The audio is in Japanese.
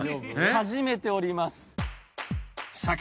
始めております。